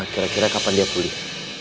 kira kira kapan dia pulih